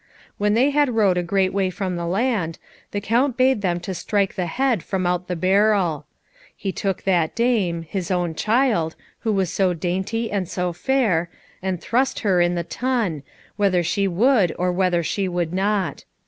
When they had rowed a great way from the land, the Count bade them to strike the head from out the barrel. He took that dame, his own child, who was so dainty and so fair, and thrust her in the tun, whether she would or whether she would not.